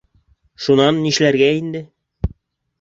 — Шунан нишләргә инде?